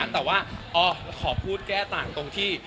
แต่ว่าขอพูดแก้ต่างตรงที่